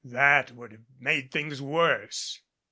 That would have made things worse."